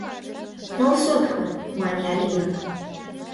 — Ныл сотко, — мане Алина.